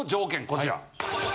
こちら！